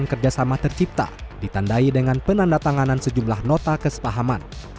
kerjasama tercipta ditandai dengan penandatanganan sejumlah nota kesepahaman